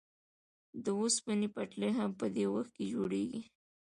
د اوسپنې پټلۍ هم په دې وخت کې جوړېږي